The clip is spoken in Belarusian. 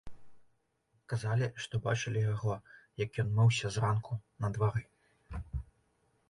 Казалі, што бачылі яго, як ён мыўся зранку на двары.